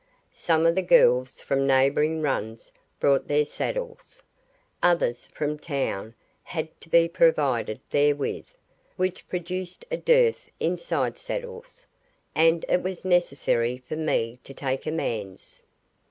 Some of the girls from neighbouring runs brought their saddles, others from town had to be provided therewith, which produced a dearth in sidesaddles, and it was necessary for me to take a man's.